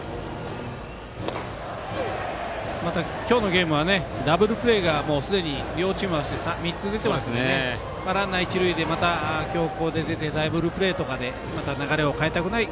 今日のゲームはダブルプレーがもうすでに両チーム合わせて３つ出ていますのでランナー、一塁で強硬で出てダブルプレーとかでまた流れを変えたくない。